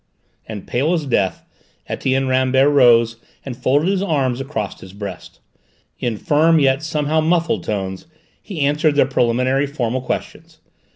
And pale as death Etienne Rambert rose and folded his arms across his breast. In firm, yet somehow muffled tones, he answered the preliminary formal questions.